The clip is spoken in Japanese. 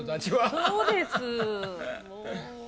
そうです